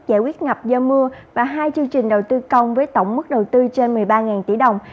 giải quyết ngập do mưa và hai chương trình đầu tư công với tổng mức đầu tư trên một mươi ba tỷ đồng